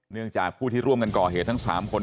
เนื่องจากผู้ที่ร่วมกันก่อเหตุทั้ง๓คน